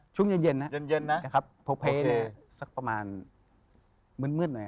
ช่วงเย็นนะครับพกเพคมากมด๑๙๖๔